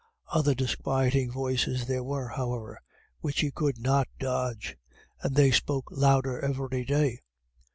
Other disquieting voices there were, however, which he could not dodge, and they spoke louder every day.